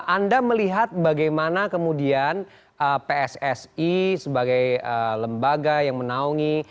anda melihat bagaimana kemudian pssi sebagai lembaga yang menaungi